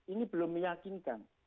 ini belum meyakinkan